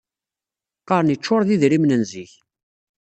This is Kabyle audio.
Qarren iččuṛ d idrimen n zik.